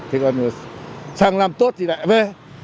thế còn sang làm tốt thì lại về